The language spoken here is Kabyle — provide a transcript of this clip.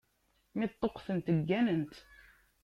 Mi ṭṭuqtent, gganent.